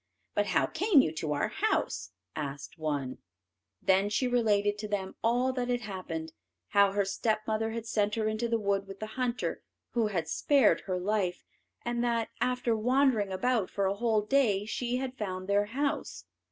"But how came you to our house?" asked one. Then she related to them all that had happened; how her stepmother had sent her into the wood with the hunter, who had spared her life, and that, after wandering about for a whole day, she had found their house.